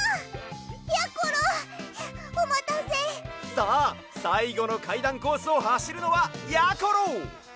さあさいごのかいだんコースをはしるのはやころ！